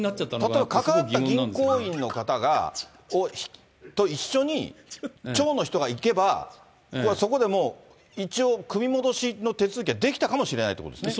例えば関わった銀行員の方と一緒に、町の人が行けば、そこでもう、一応組み戻しの手続きはできたかもしれないということですね。